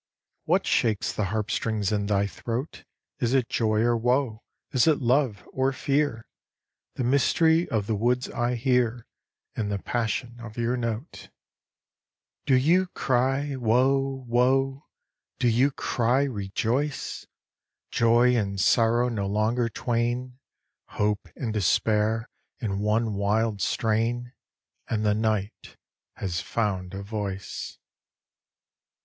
What shakes the harp strings in thy throat? Is it joy or woe? Is it love or fear? The mystery of the woods I hear In the passion of your note. Do you cry, Woe! Woe! Do you cry, Rejoice! Joy and sorrow no longer twain, Hope and despair in one wild strain, And the night has found a voice.